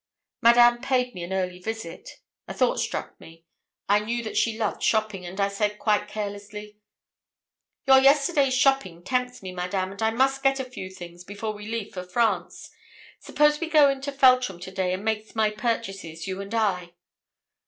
Madame paid me an early visit. A thought struck me. I knew that she loved shopping, and I said, quite carelessly 'Your yesterday's shopping tempts me, Madame, and I must get a few things before we leave for France. Suppose we go into Feltram to day, and make my purchases, you and I?'